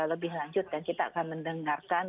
lebih lanjut dan kita akan mendengarkan